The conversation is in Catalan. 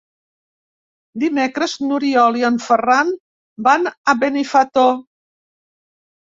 Dimecres n'Oriol i en Ferran van a Benifato.